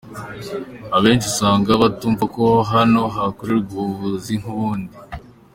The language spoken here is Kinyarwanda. Abenshi usanga batumva ko hano hakorerwa ubuvuzi nk’ubundi.